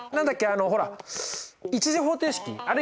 あのほら１次方程式あれ？